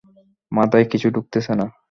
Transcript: মাথায় কিছু ঢুকতেছে না।